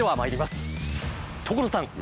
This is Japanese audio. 所さん！